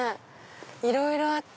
いろいろあった。